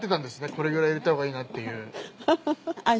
これくらい入れたほうがいいなっていう。